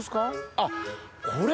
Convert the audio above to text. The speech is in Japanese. あっこれ？